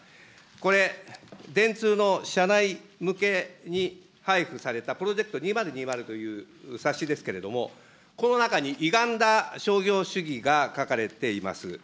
これ、電通の社内向けに配布されたプロジェクト２０２０という冊子ですけれども、この中にゆがんだ商業主義が書かれています。